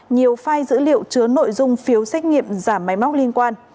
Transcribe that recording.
nhiều file dữ liệu chứa nội dung phiếu xét nghiệm giảm máy móc liên quan